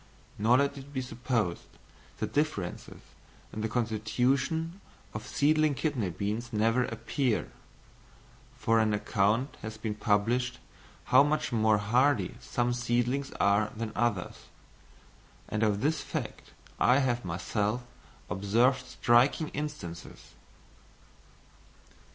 Nor let it be supposed that differences in the constitution of seedling kidney beans never appear, for an account has been published how much more hardy some seedlings are than others; and of this fact I have myself observed striking instances.